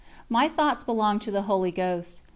My thoughts belong to the Holy Ghost.